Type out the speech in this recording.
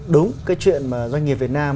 đúng cái chuyện doanh nghiệp việt nam